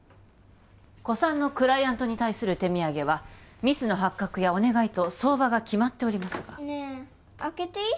古参のクライアントに対する手土産はミスの発覚やお願いと相場が決まっておりますがねえ開けていい？